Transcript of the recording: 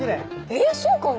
えっそうかな？